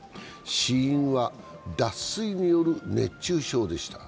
死因は脱水による熱中症でした。